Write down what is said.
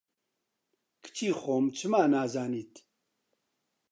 کچی خۆم، چما نازانیت